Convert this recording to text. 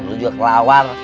lo juga kelawar